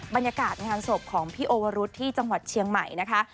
บรรยากาศงานศพของพี่โอวรุธที่จังหวัดเชียงใหม่นะคะ